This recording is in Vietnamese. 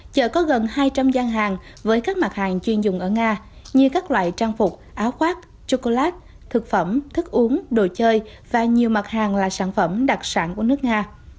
chợ có gần hai trăm linh gian hàng với các mặt hàng chuyên dùng ở nga như các loại trang phục áo khoác chocolate thực phẩm thức uống đồ chơi và nhiều mặt hàng là sản phẩm đặc sản của nước nga